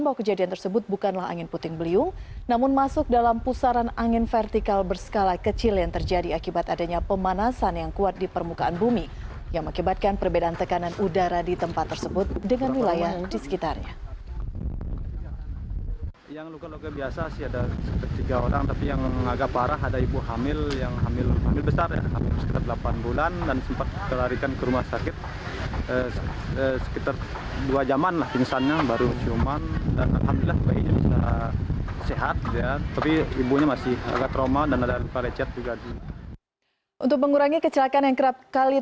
untuk mengurangi kecelakaan yang kerap kali terjadi di wilayah